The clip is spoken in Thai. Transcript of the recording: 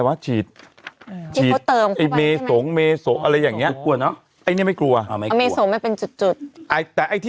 ฟิลเลอร์ต้องหมอเป็นจริง